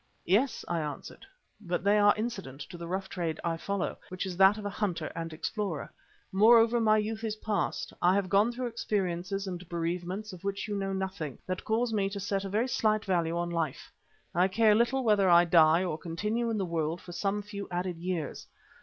"Yes," I answered, "but they are incident to the rough trade I follow, which is that of a hunter and explorer. Moreover, my youth is past, and I have gone through experiences and bereavements of which you know nothing, that cause me to set a very slight value on life. I care little whether I die or continue in the world for some few added years.